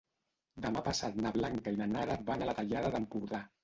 Demà passat na Blanca i na Nara van a la Tallada d'Empordà.